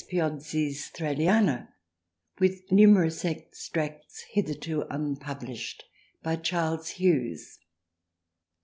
PIOZZI'S THRALIANA WITH NUMEROUS EXTRACTS HITHERTO UNPUBLISHED BY CHARLES HUGHES J.